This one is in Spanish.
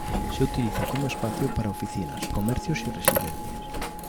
Se utiliza como espacio para oficinas, comercios y residencias.